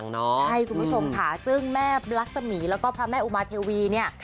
ใช่คุณผู้ชมค่ะซึ่งแม่บลักษมีแล้วก็พระแม่อุมาเทวีเนี่ย